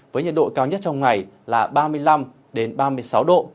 với nhiệt độ cao nhất trong ngày là ba mươi năm ba mươi sáu độ